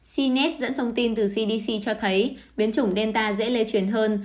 cnet dẫn thông tin từ cdc cho thấy biến chủng delta dễ lê chuyển hơn